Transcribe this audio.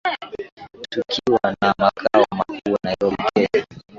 Tukiwa na Makao Makuu Nairobi Kenya